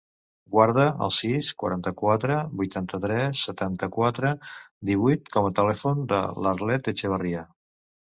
Guarda el sis, quaranta-quatre, vuitanta-tres, setanta-quatre, divuit com a telèfon de l'Arlet Echevarria.